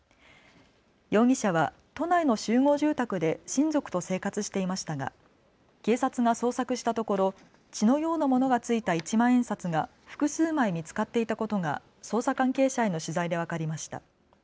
容疑者は都内の集合住宅で親族と生活していましたが警察が捜索したところ血のようなものが付いた一万円札が複数枚見つかっていたことが捜査関係者への取材で分かりました。